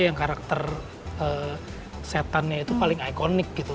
yang karakter setannya itu paling ikonik gitu